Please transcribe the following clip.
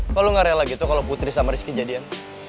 kok lo gak rela gitu kalo putri sama rizky jadian